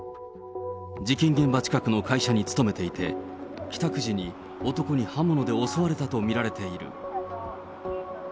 事件現場近くの会社に勤めていて、帰宅時に男に刃物で襲われたと見られている。